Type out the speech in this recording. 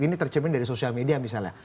ini tercemin dari sosial media misalnya